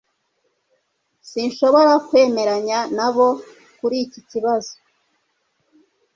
s] sinshobora kwemeranya nabo kuri iki kibazo